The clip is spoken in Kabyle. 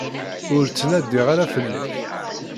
Ur ttnadiɣ ara fell-ak.